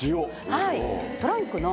はい。